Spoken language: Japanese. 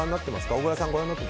小倉さん。